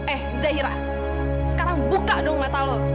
eh zahira sekarang buka dong mata lo